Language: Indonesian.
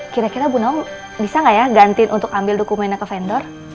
kira kira bu naung bisa nggak ya gantiin untuk ambil dokumennya ke vendor